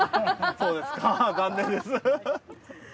そうですか残念です。